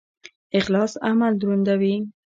اخلاص عمل دروندوي